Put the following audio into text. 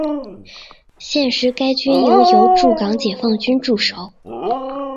现时该军营由驻港解放军驻守。